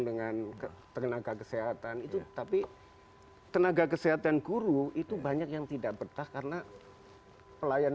dengan tenaga kesehatan itu tapi tenaga kesehatan guru itu banyak yang tidak betah karena pelayan